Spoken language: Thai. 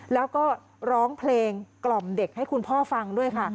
แล้วก็ร้องเพลงกล่อมเด็กให้คุณพ่อฟังด้วยค่ะ